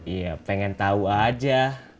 ya pengen tahu aja